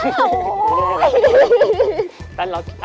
ชอบตรงเครื่องหน้าข้างบนค่ะ